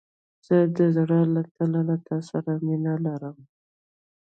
زه د زړه له تله له تا سره مينه لرم.